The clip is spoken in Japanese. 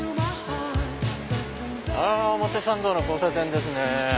表参道の交差点ですね。